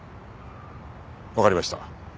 わかりました。